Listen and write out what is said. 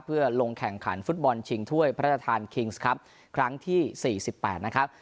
เพื่อลงแข่งขันฟุตบอลชิงถ้วยพระราชทานคิงส์ครับครั้งที่๔๘นะครับ